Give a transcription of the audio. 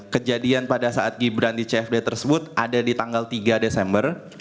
kejadian pada saat gibran di cfd tersebut ada di tanggal tiga desember